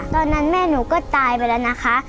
ตอนนั้นแม่หนูก็ตายไปแล้วนะคะ